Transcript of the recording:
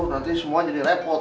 nanti semua jadi repot